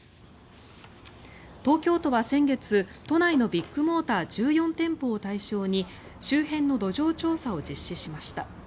東京都は先月都内のビッグモーター１４店舗を対象に周辺の土壌調査を実施しました。